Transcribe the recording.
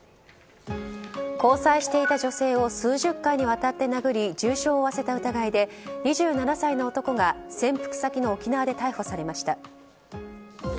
交際していた女性を数十回にわたって殴り重傷を負わせた疑いで２７歳の男が潜伏先の沖縄で逮捕されました。